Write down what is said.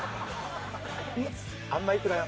あんまいくなよ。